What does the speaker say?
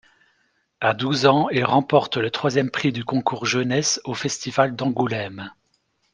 À douze ans, il remporte le troisième prix du concours jeunesse au festival d'Angoulême.